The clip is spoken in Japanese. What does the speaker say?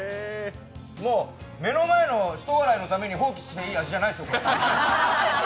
もう目の前のひとフライのために放棄していい味じゃないですよ。